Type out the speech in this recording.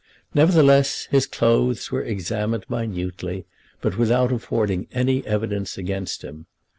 Nevertheless his clothes were examined minutely, but without affording any evidence against him.